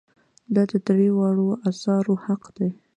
دا د دریو واړو آثارو حق دی.